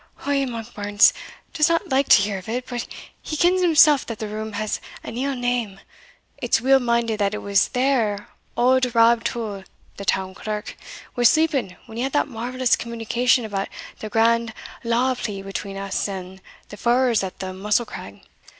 "Ou, Monkbarns does not like to hear of it but he kens himsell that the room has an ill name. It's weel minded that it was there auld Rab Tull the town clerk was sleeping when he had that marvellous communication about the grand law plea between us and the feuars at the Mussel craig.